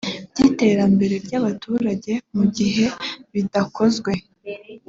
by iterambere ry abaturage mu gihe bidakozwe